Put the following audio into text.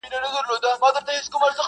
د جینکیو ارمان څۀ ته وایي,